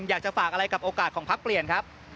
อยากจะฝากอะไรกับโอกาสของพักเปลี่ยนครับ